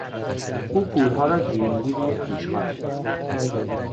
او پولها را جرینگی روی پیشخوان ریخت.